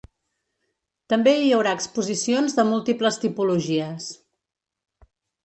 També hi haurà exposicions de múltiples tipologies.